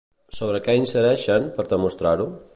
Sobre què incideixen per demostrar-ho?